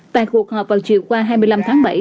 tại cuộc họp vào chiều qua hai mươi năm tháng bảy